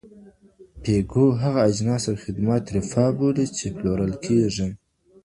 پیګو هغه اجناس او خدمات رفاه بولي چی پلورل کیږي.